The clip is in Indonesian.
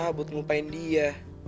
susah buat ngupain dia